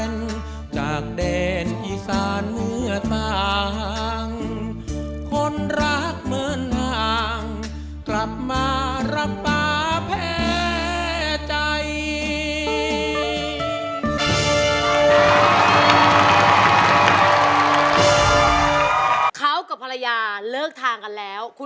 รอดทั่วเมืองราบดีมาก